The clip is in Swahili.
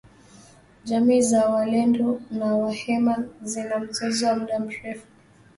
Jamii za walendu na wahema zina mzozo wa muda mrefu.